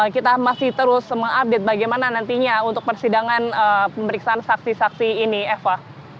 kita masih terus mengupdate bagaimana nantinya untuk persidangan pemeriksaan saksi saksi ini eva